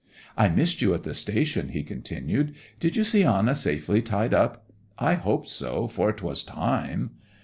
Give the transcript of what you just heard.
'I missed you at the station,' he continued. 'Did you see Anna safely tied up? I hope so, for 'twas time.